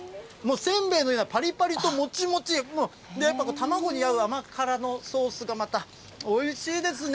せんべいのような、ぱりぱりともちもち、やっぱ卵に合う甘辛のソースがまたおいしいですね。